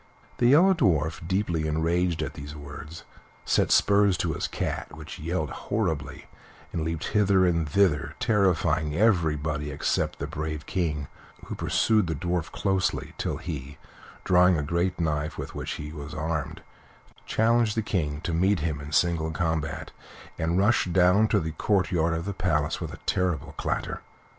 The Yellow Dwarf, deeply enraged at these words, set spurs to his cat, which yelled horribly, and leaped hither and thither terrifying everybody except the brave King, who pursued the Dwarf closely, till he, drawing a great knife with which he was armed, challenged the King to meet him in single combat, and rushed down into the courtyard of the palace with a terrible clatter.